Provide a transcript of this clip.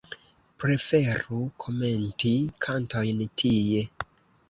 Preferu komenti kantojn tie.